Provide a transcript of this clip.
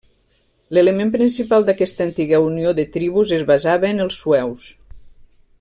L'element principal d'aquesta antiga unió de tribus es basava en els sueus.